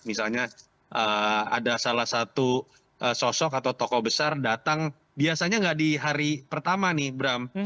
misalnya ada salah satu sosok atau tokoh besar datang biasanya nggak di hari pertama nih bram